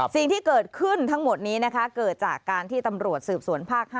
สิ่งที่เกิดขึ้นทั้งหมดนี้นะคะเกิดจากการที่ตำรวจสืบสวนภาค๕